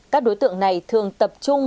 các đối tượng này thường tập trung